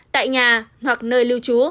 tại nhà hoặc nơi lưu trú